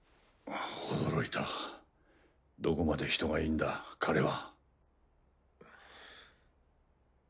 驚いたどこまで人がいいんだ彼は。